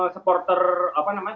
supporter apa namanya